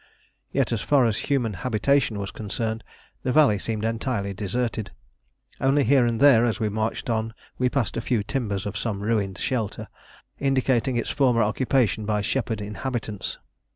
Yet as far as human habitation was concerned the valley seemed entirely deserted; only here and there as we marched on we passed a few timbers of some ruined shelter, indicating its former occupation by shepherd inhabitants.